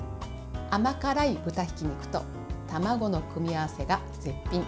甘辛い豚ひき肉と卵の組み合わせが絶品。